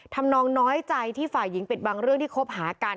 ทำนองน้อยใจที่ฝ่ายหญิงปิดบังเรื่องที่คบหากัน